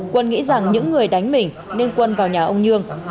quân nghĩ rằng những người đánh mình nên quân vào nhà ông nhường